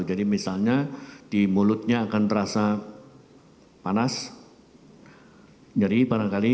jadi misalnya di mulutnya akan terasa panas nyeri barangkali